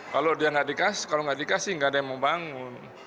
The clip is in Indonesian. kalau dia nggak dikasih kalau nggak dikasih nggak ada yang mau bangun